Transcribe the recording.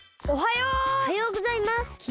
おはようございます。